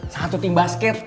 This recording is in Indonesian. sangat tutim basket